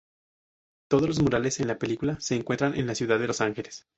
Todos los murales en la película se encuentran en la ciudad de Los Ángeles.